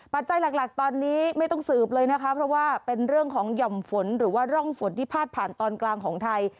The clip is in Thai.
ปัจจัยหลักตอนนี้ไม่ต้องสืบเลยนะคะเพราะว่าเป็นเรื่องของหย่อมฝนหรือว่าร่องฝนที่พาดผ่านตอนกลางของไทย